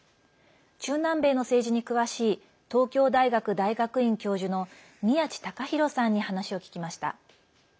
中南米の政治に詳しい東京大学大学院教授の宮地隆廣さんに話を聞きました。